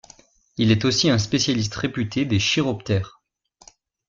Il est aussi un spécialiste réputé des chiroptères.